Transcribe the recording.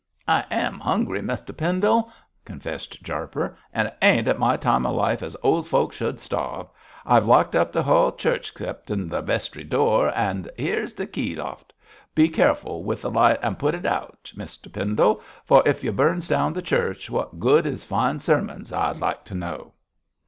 'I am hungry, Muster Pendle,' confessed Jarper, 'an' it ain't at my time of life as old folk shud starve. I've locked up the hull church 'ceptin' the vestry door, an' 'eres th' key of't. Be careful with the light an' put it out, Muster Pendle, for if you burns down the church, what good is fine sermons, I'd like to know?'